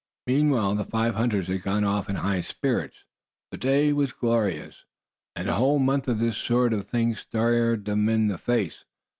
Meanwhile the five hunters had gone off in high spirits. The day was glorious, and a whole month of this sort of thing stared them in the face.